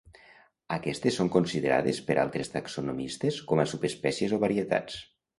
Aquestes són considerades per altres taxonomistes com a subespècies o varietats.